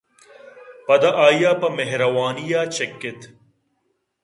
پدا آئیءَ پہ مہروا نی ءَ چکّ اِت